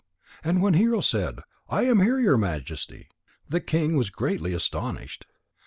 And when Hero said: "I am here, your Majesty," the king was greatly astonished.